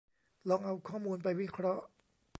ลองเอาข้อมูลไปวิเคราะห์